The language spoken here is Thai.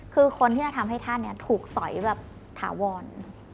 คือคนที่จะทำให้ท่านถูกสอยแบบถาวร